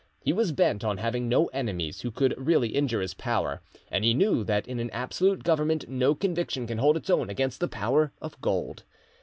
He was bent on having no enemies who could really injure his power, and he knew that in an absolute government no conviction can hold its own against the power of gold.